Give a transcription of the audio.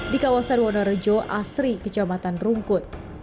di kawasan wonorejo asri kecamatan rungkut